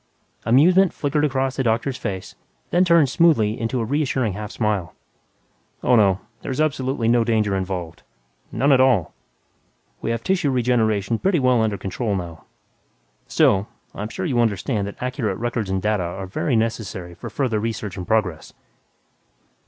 Amusement flickered across the doctor's face, turned smoothly into a reassuring half smile. "Oh, no. There's absolutely no danger involved. None at all. We have tissue regeneration pretty well under control now. Still, I'm sure you understand that accurate records and data are very necessary to further research and progress."